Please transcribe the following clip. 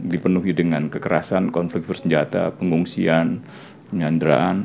dipenuhi dengan kekerasan konflik bersenjata pengungsian penyanderaan